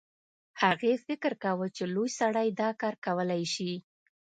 هغې فکر کاوه چې لوی سړی دا کار کولی شي